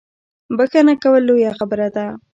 بخښنه کول لویه خبره ده